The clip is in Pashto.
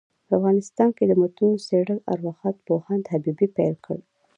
په افغانستان کي دمتونو څېړل ارواښاد پوهاند حبیبي پيل کړ.